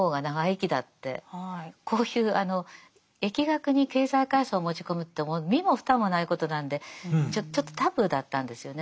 こういう疫学に経済階層を持ち込むって身も蓋もないことなんでちょっとタブーだったんですよね。